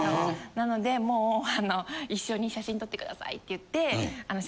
なのでもう一緒に写真撮ってくださいって言って。